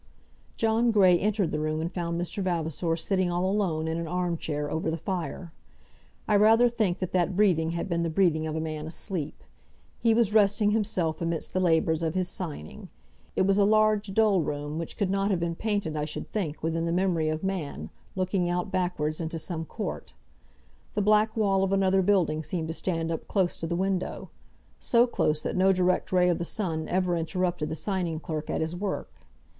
John Grey entered the room and found Mr. Vavasor sitting all alone in an arm chair over the fire. I rather think that that breathing had been the breathing of a man asleep. He was resting himself amidst the labours of his signing. It was a large, dull room, which could not have been painted, I should think, within the memory of man, looking out backwards into some court. The black wall of another building seemed to stand up close to the window, so close that no direct ray of the sun ever interrupted the signing clerk at his work.